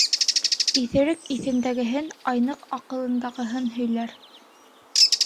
Иҫерек иҫендәгеһен, айныҡ аҡылындағыһын һөйләр.